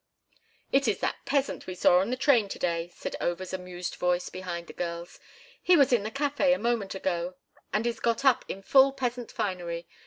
"It is that peasant we saw on the train to day," said Over's amused voice behind the girls. "He was in the café a moment ago and is got up in full peasant finery.